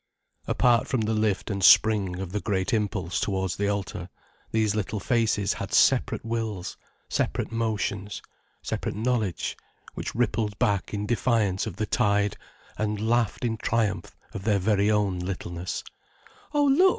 Apart from the lift and spring of the great impulse towards the altar, these little faces had separate wills, separate motions, separate knowledge, which rippled back in defiance of the tide, and laughed in triumph of their own very littleness. "Oh, look!"